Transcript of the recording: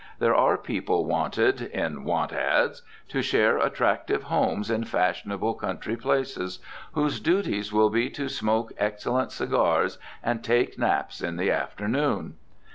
There are people wanted (in want "ads") to share attractive homes in fashionable country places whose duties will be to smoke excellent cigars and take naps in the afternoon.